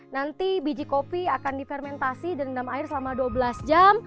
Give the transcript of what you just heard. nanti biji kopi akan difermentasi dan air selama dua belas jam